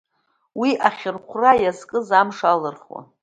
Уи ахьырхәра иазкыз амш алырхуан.